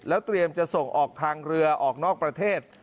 เตรียมจะส่งออกทางเรือออกนอกประเทศ